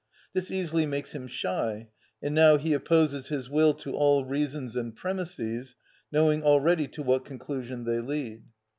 This easily makes him shy, and now he opposes his will to all reasons and premisses, knowing already to what conclusion they lead.